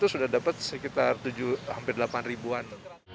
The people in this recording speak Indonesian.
dua lima ratus sudah dapat sekitar tujuh hampir delapan an